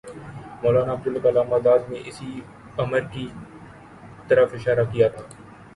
مولانا ابوالکلام آزاد نے اسی امر کی طرف اشارہ کیا تھا۔